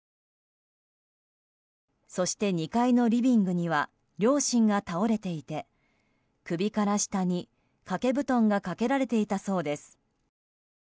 そして２階のリビングには両親が倒れていて首から下に、かけ布団がかけられていたそうです。